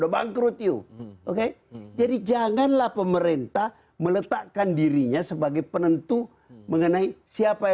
bangkrut yuk oke jadi janganlah pemerintah meletakkan dirinya sebagai penentu mengenai siapa